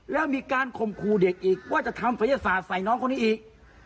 แล้วมีการข่มขู่เด็กอีกว่าจะทำศัยศาสตร์ใส่น้องคนนี้อีก